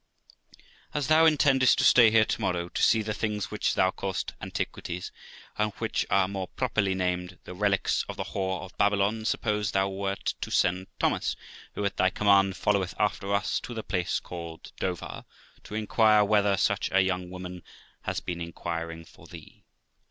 Quaker. As thou intendest to stay here to morrow, to see the things which thou callest antiquities, and which are more properly named the relics of the Whore of Babylon; suppose thou wert to send Thomas, who at thy command folio weth after us, to the place called Dover, to inquire whether such a young woman has been inquiring for thee.